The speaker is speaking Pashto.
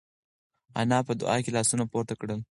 انا په دعا کې لاسونه پورته کړل.